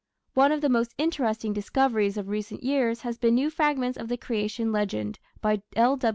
One of the most interesting discoveries of recent years has been new fragments of the Creation Legend by L.